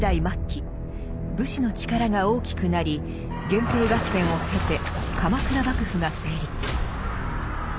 末期武士の力が大きくなり源平合戦を経て鎌倉幕府が成立。